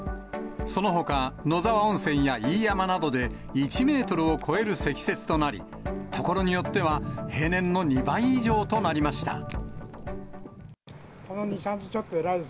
そのほか野沢温泉や飯山などで１メートルを超える積雪となり、所によっては平年の２倍以上となりました。